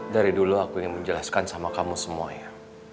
dari dulu aku ingin menjelaskan sama kamu semuanya